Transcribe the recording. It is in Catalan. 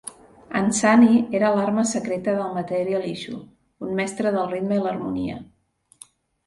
Ansani era l'arma secreta de Material Issue; un mestre del ritme i l'harmonia.